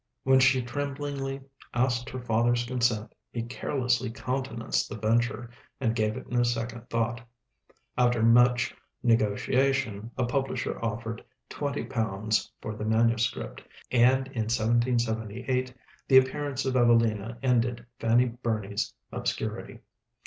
When she tremblingly asked her father's consent, he carelessly countenanced the venture and gave it no second thought. After much negotiation, a publisher offered twenty pounds for the manuscript, and in 1778 the appearance of 'Evelina' ended Fanny Burney's obscurity.